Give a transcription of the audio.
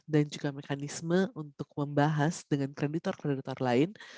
dan juga mekanisme untuk membahas dengan kreditor kreditor lain